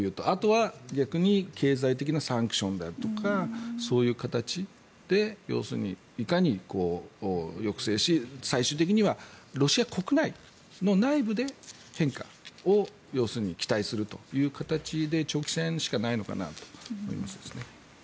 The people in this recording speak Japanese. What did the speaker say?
あとは、逆に経済的なサンクションであるとかそういう形で、要するにいかに抑制し最終的にはロシア国内の内部で、変化を要するに期待するという形で長期戦しかないのかなと思いますね。